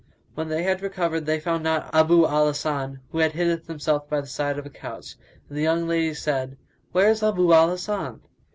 When they recovered, they found not Abu al Hasan who had hidden himself by the side of a couch, and the young lady said, "Where is Abu al Hasan?"